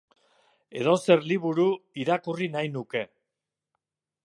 Edozer liburu irakurri nahi nuke.